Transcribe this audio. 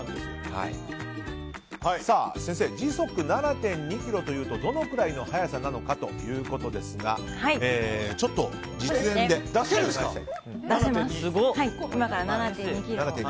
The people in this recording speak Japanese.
先生、時速７．２キロというとどのくらいの速さなのかというとちょっと実演でお願いします。